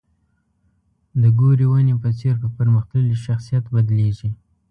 د ګورې ونې په څېر په پرمختللي شخصیت بدلېږي.